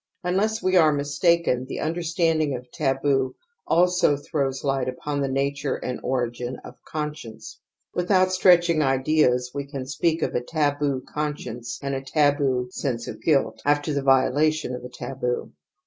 Unless we are mistaken, the understanding of taboo also throws light upon the nature and origin of conscience. Without stretching ideas { we can speak of a taboo conscience and a taboo sense of guilt after the violation of a taboo.